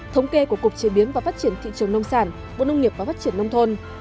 thống kê của cục chế biến và phát triển thị trường nông sản bộ nông nghiệp và phát triển nông thôn